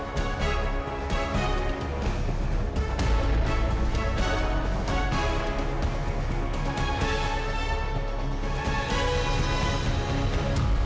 terima kasih sudah ada di sini dan kita tunggu nanti bagaimana pengumuman akhirnya